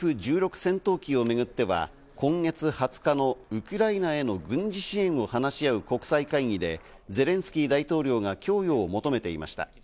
戦闘機をめぐっては、今月２０日のウクライナへの軍事支援を話し合う国際会議で、ゼレンスキー大統領が供与を求めていました。